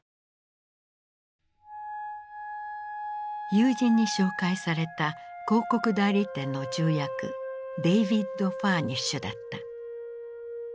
友人に紹介された広告代理店の重役デイヴィッド・ファーニッシュだった。